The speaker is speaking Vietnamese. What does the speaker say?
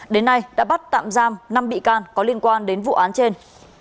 đến nay đã bắt tạm giam năm bị can có liên quan đến vụ án trên